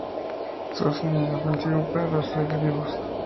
Sosa, Es inofensivo para los seres vivos.